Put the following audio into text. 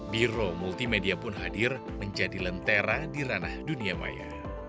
biro multimedia pun hadir menjadi lentera di ranah dunia maya